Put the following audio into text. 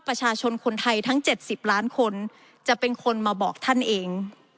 ประชาชนคนไทยทั้ง๗๐ล้านคนจะเป็นคนมาบอกท่านเอง